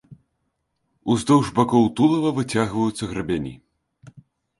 Уздоўж бакоў тулава выцягваюцца грабяні.